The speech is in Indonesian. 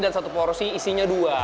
dan satu porsi isinya dua